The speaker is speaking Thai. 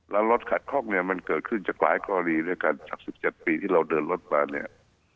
แล้วรถขัดข้องเนี่ยมันเกิดขึ้นจากหลายกรณีด้วยกันจาก๑๗ปีที่เราเดินรถมาเนี่ย